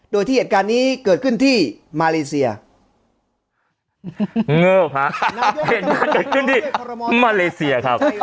โดยที่เหตุการณ์นี้เกิดขึ้นที่มาเลเซีย